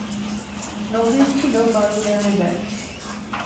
নবীন ছিল বাড়ির ম্যানেজার।